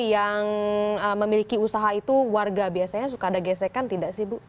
yang memiliki usaha itu warga biasanya suka ada gesekan tidak sih bu